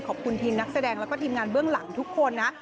ขอบคุณทีมนักแสดงแล้วก็ทีมงานเบื้องหลังทุกคนนะ